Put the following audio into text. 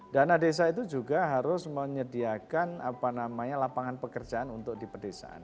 dana desa itu juga harus menyediakan lapangan pekerjaan untuk di pedesaan